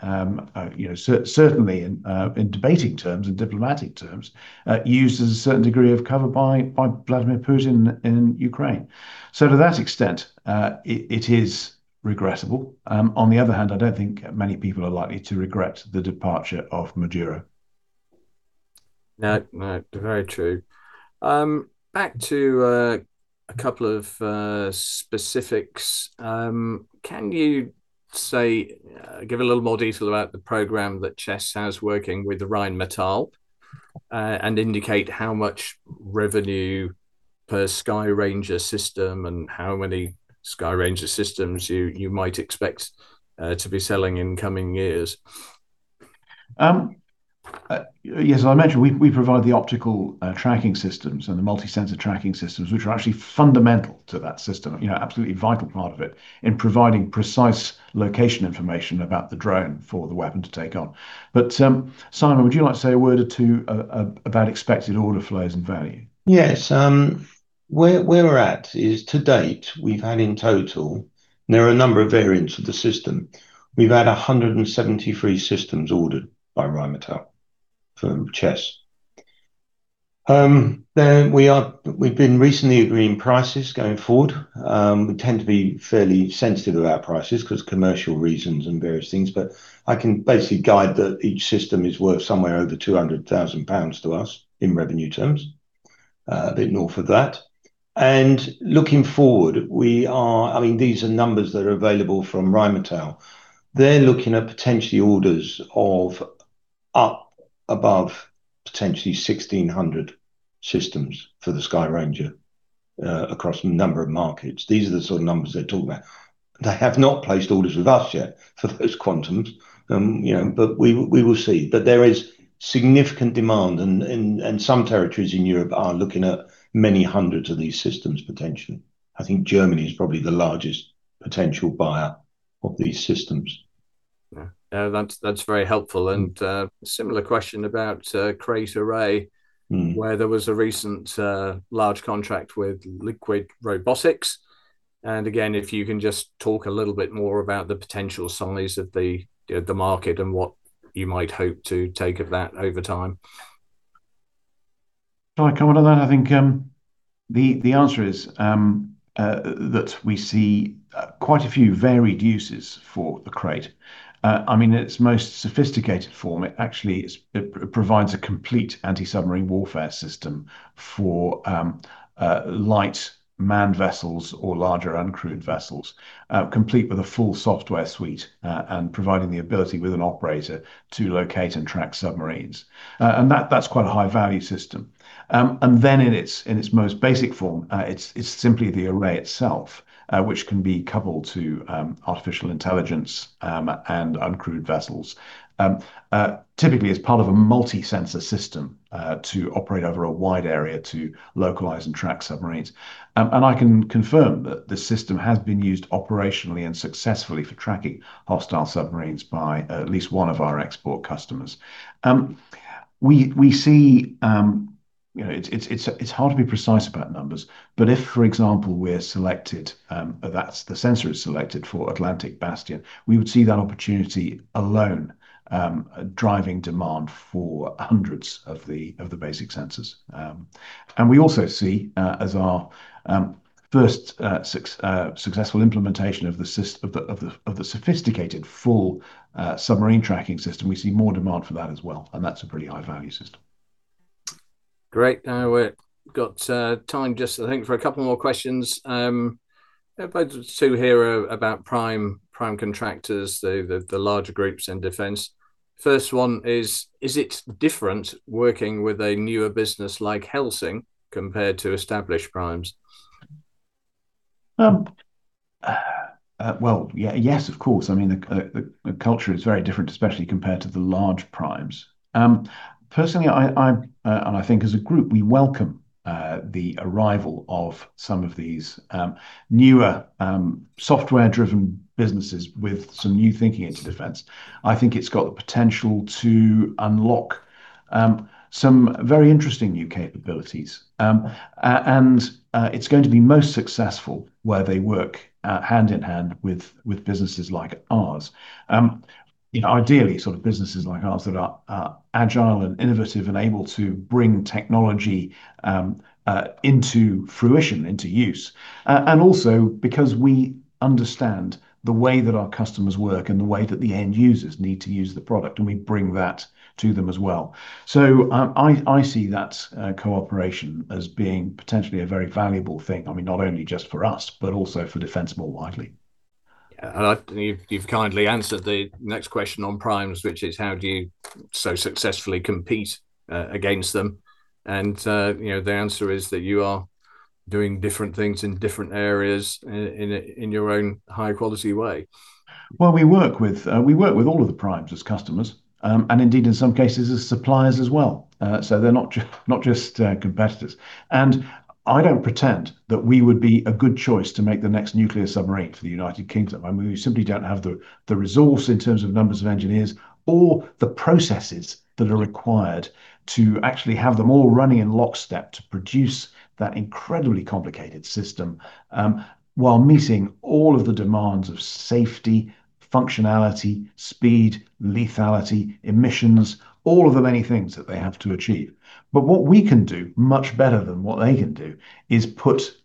certainly in debating terms and diplomatic terms used as a certain degree of cover by Vladimir Putin in Ukraine. So to that extent, it is regrettable. On the other hand, I don't think many people are likely to regret the departure of Maduro. Very true. Back to a couple of specifics. Can you give a little more detail about the program that Chess has working with the Rheinmetall and indicate how much revenue per Skyranger system and how many Skyranger systems you might expect to be selling in coming years? Yes. As I mentioned, we provide the optical tracking systems and the multi-sensor tracking systems, which are actually fundamental to that system, an absolutely vital part of it in providing precise location information about the drone for the weapon to take on. But Simon, would you like to say a word or two about expected order flows and value? Yes. Where we're at is to date, we've had in total, and there are a number of variants of the system. We've had 173 systems ordered by Rheinmetall for Chess. We've been recently agreeing prices going forward. We tend to be fairly sensitive about prices because of commercial reasons and various things. But I can basically guide that each system is worth somewhere over 200,000 pounds to us in revenue terms, a bit north of that. And looking forward, I mean, these are numbers that are available from Rheinmetall. They're looking at potentially orders of up above potentially 1,600 systems for the Skyranger across a number of markets. These are the sort of numbers they're talking about. They have not placed orders with us yet for those quantities. But we will see. But there is significant demand, and some territories in Europe are looking at many hundreds of these systems potentially. I think Germany is probably the largest potential buyer of these systems. That's very helpful. And a similar question about KraitArray, where there was a recent large contract with Liquid Robotics. And again, if you can just talk a little bit more about the potential size of the market and what you might hope to take of that over time. Shall I come onto that? I think the answer is that we see quite a few varied uses for the KraitArray. I mean, its most sophisticated form, it actually provides a complete anti-submarine warfare system for light manned vessels or larger uncrewed vessels, complete with a full software suite and providing the ability with an operator to locate and track submarines. And that's quite a high-value system. And then in its most basic form, it's simply the array itself, which can be coupled to artificial intelligence and uncrewed vessels, typically as part of a multi-sensor system to operate over a wide area to localize and track submarines. And I can confirm that the system has been used operationally and successfully for tracking hostile submarines by at least one of our export customers. We see it's hard to be precise about numbers, but if, for example, we're selected, that's the sensor is selected for Atlantic Bastion, we would see that opportunity alone driving demand for hundreds of the basic sensors. And we also see, as our first successful implementation of the sophisticated full submarine tracking system, we see more demand for that as well. And that's a pretty high-value system. Great. We've got time just, I think, for a couple more questions. Both of us two here are about prime contractors, the larger groups in defense. First one is it different working with a newer business like Helsing compared to established primes? Yes, of course. I mean, the culture is very different, especially compared to the large primes. Personally, and I think as a group, we welcome the arrival of some of these newer software-driven businesses with some new thinking into defense. I think it's got the potential to unlock some very interesting new capabilities. It's going to be most successful where they work hand in hand with businesses like ours. Ideally, sort of businesses like ours that are agile and innovative and able to bring technology into fruition, into use. And also because we understand the way that our customers work and the way that the end users need to use the product, and we bring that to them as well. So I see that cooperation as being potentially a very valuable thing, I mean, not only just for us, but also for defense more widely. Yeah. And you've kindly answered the next question on primes, which is, how do you so successfully compete against them? And the answer is that you are doing different things in different areas in your own high-quality way. Well, we work with all of the primes as customers, and indeed, in some cases, as suppliers as well. So they're not just competitors. And I don't pretend that we would be a good choice to make the next nuclear submarine for the United Kingdom. I mean, we simply don't have the resource in terms of numbers of engineers or the processes that are required to actually have them all running in lockstep to produce that incredibly complicated system while meeting all of the demands of safety, functionality, speed, lethality, emissions, all of the many things that they have to achieve, but what we can do much better than what they can do is put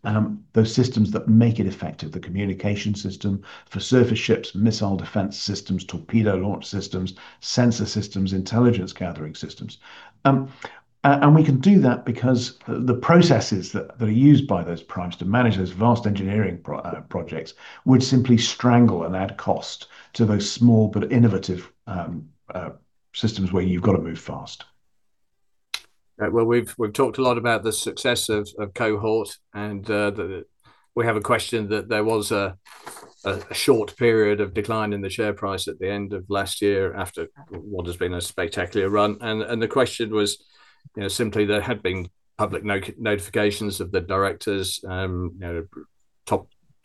those systems that make it effective, the communication system for surface ships, missile defense systems, torpedo launch systems, sensor systems, intelligence gathering systems, and we can do that because the processes that are used by those primes to manage those vast engineering projects would simply strangle and add cost to those small but innovative systems where you've got to move fast. We've talked a lot about the success of Cohort, and we have a question that there was a short period of decline in the share price at the end of last year after what has been a spectacular run, and the question was simply there had been public notifications of the directors,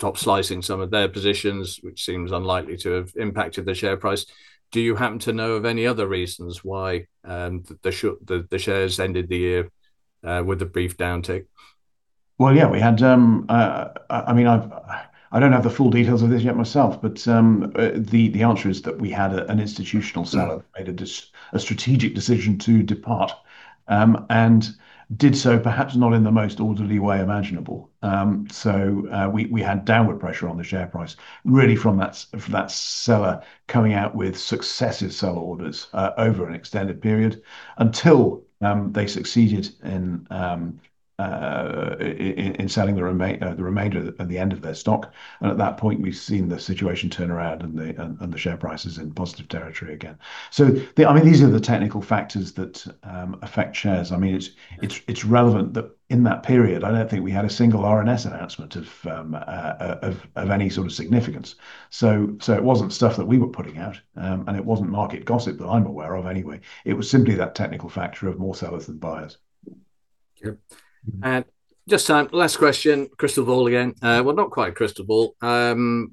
top-slicing some of their positions, which seems unlikely to have impacted the share price. Do you happen to know of any other reasons why the shares ended the year with a brief downtick? Yeah, we had I mean, I don't have the full details of this yet myself, but the answer is that we had an institutional seller that made a strategic decision to depart and did so, perhaps not in the most orderly way imaginable. So we had downward pressure on the share price, really, from that seller coming out with successive sell orders over an extended period until they succeeded in selling the remainder at the end of their stock, and at that point, we've seen the situation turn around and the share price is in positive territory again, so I mean, these are the technical factors that affect shares. I mean, it's relevant that in that period, I don't think we had a single RNS announcement of any sort of significance. So it wasn't stuff that we were putting out, and it wasn't market gossip that I'm aware of anyway. It was simply that technical factor of more sellers than buyers. Okay, just last question, crystal ball again, well, not quite a crystal ball.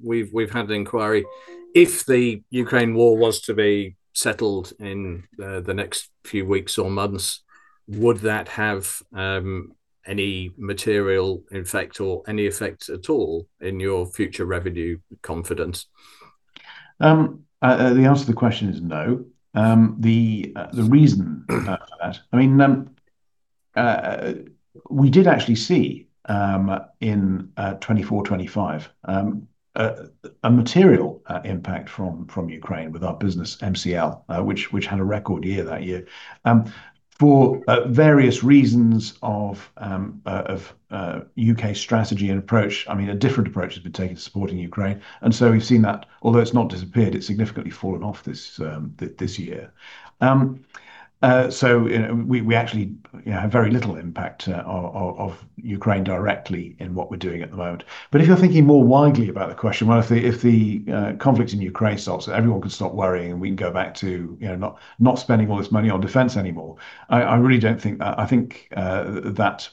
We've had an inquiry. If the Ukraine war was to be settled in the next few weeks or months, would that have any material, in fact, or any effect at all in your future revenue confidence? The answer to the question is no. The reason for that, I mean, we did actually see in 2024, 2025 a material impact from Ukraine with our business, MCL, which had a record year that year. For various reasons of U.K. strategy and approach, I mean, a different approach has been taken to supporting Ukraine. And so we've seen that, although it's not disappeared, it's significantly fallen off this year. So we actually have very little impact of Ukraine directly in what we're doing at the moment. But if you're thinking more widely about the question, well, if the conflict in Ukraine stops, everyone can stop worrying, and we can go back to not spending all this money on defense anymore. I really don't think that. I think that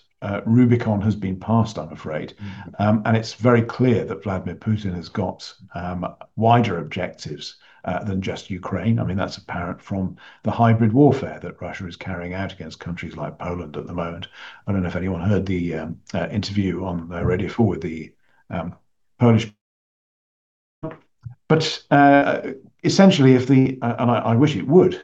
Rubicon has been passed, I'm afraid. And it's very clear that Vladimir Putin has got wider objectives than just Ukraine. I mean, that's apparent from the hybrid warfare that Russia is carrying out against countries like Poland at the moment. I don't know if anyone heard the interview on Radio 4 with the Polish. Essentially, if the—and I wish it would,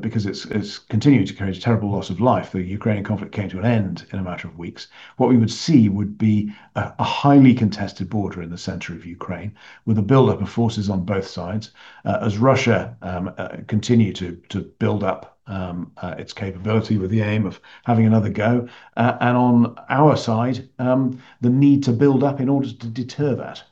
because it's continuing to carry a terrible loss of life—the Ukrainian conflict came to an end in a matter of weeks, what we would see would be a highly contested border in the center of Ukraine with a buildup of forces on both sides as Russia continue to build up its capability with the aim of having another go. And on our side, the need to build up in order to deter that.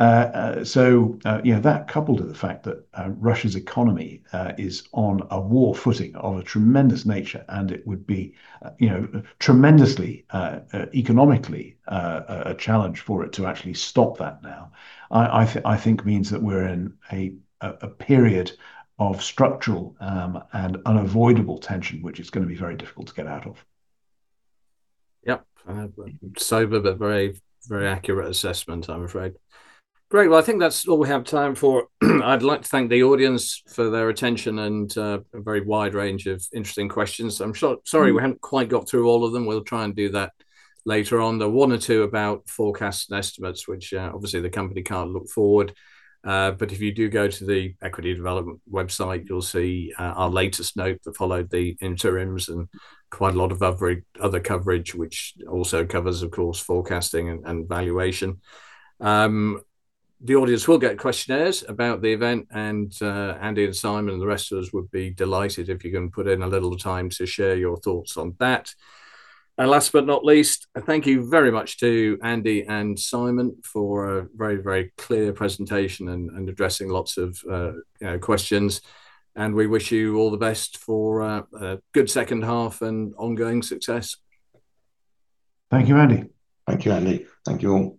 So that coupled with the fact that Russia's economy is on a war footing of a tremendous nature, and it would be tremendously economically a challenge for it to actually stop that now, I think means that we're in a period of structural and unavoidable tension, which is going to be very difficult to get out of. Yep. I have a very, very accurate assessment, I'm afraid. Great. Well, I think that's all we have time for. I'd like to thank the audience for their attention and a very wide range of interesting questions. I'm sorry we haven't quite got through all of them. We'll try and do that later on. There are one or two about forecasts and estimates, which obviously the company can't look forward. But if you do go to the Equity Development website, you'll see our latest note that followed the interims and quite a lot of other coverage, which also covers, of course, forecasting and valuation. The audience will get questionnaires about the event, and Andy and Simon and the rest of us would be delighted if you can put in a little time to share your thoughts on that. And last but not least, thank you very much to Andy and Simon for a very, very clear presentation and addressing lots of questions. And we wish you all the best for a good second half and ongoing success. Thank you, Andy. Thank you, Andy. Thank you all.